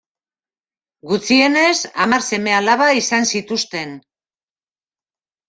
Gutxienez hamar seme-alaba izan zituzten.